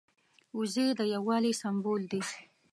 وزې د یو والي سمبول دي